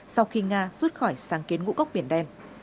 sau khi nga rút khỏi sáng kiến ngũ cốc biển đen